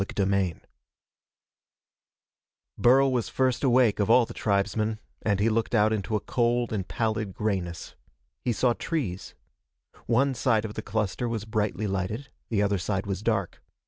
Burl was first awake of all the tribesmen and he looked out into a cold and pallid grayness. He saw trees. One side of the cluster was brightly lighted, the other side was dark.